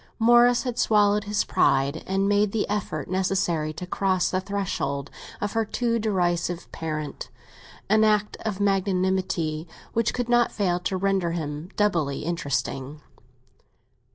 Morris had swallowed his pride and made the effort necessary to cross the threshold of her too derisive parent—an act of magnanimity which could not fail to render him doubly interesting.